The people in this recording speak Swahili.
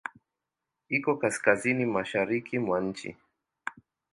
Iko Kaskazini mashariki mwa nchi.